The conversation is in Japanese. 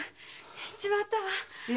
行っちまったわ。